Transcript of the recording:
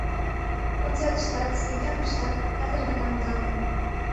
Концертыштат, спектакльыштат ятыр гана модалтын.